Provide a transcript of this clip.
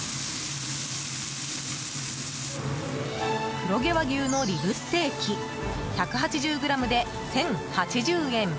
黒毛和牛のリブステーキ１８０ｇで１０８０円。